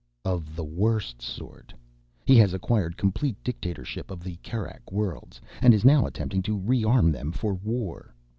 "Of the worst sort. He has acquired complete dictatorship of the Kerak Worlds, and is now attempting to rearm them for war.